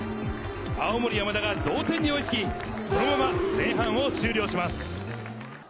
青森山田が同点に追いつき、このまま前半を終了します。